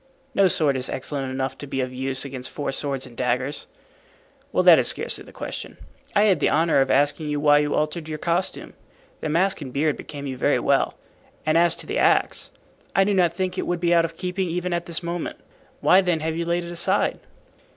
"No sword is excellent enough to be of use against four swords and daggers." "Well, that is scarcely the question. I had the honor of asking you why you altered your costume. The mask and beard became you very well, and as to the axe, I do not think it would be out of keeping even at this moment. Why, then, have you laid it aside?"